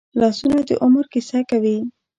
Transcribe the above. لاسونه د عمر کیسه کوي